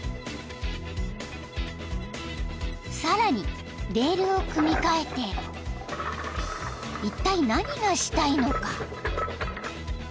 ［さらにレールを組み替えていったい何がしたいのか？］